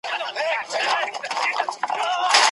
هوښیار استاد ماشومانو ته د لاس او مخ پاکوالی ښيي.